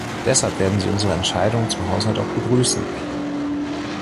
Deshalb werden sie unsere Entscheidungen zum Haushalt auch begrüßen.